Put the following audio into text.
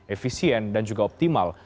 efisien dan juga optimal